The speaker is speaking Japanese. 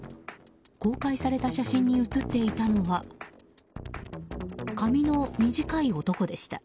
公開された写真に写っていたのは髪の短い男でした。